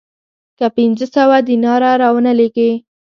که پنځه سوه دیناره را ونه لېږې